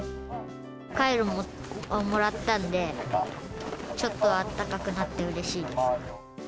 カイロもらったんで、ちょっとあったかくなってうれしいです。